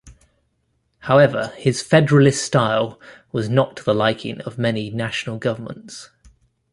However his federalist style was not to the liking of many national governments.